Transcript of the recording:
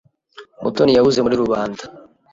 Mutoni yabuze muri rubanda.